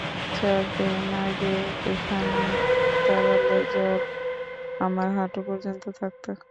চার দিন আগে এখানে দাঁড়ালে জল আমার হাঁটু পর্যন্ত থাকতো।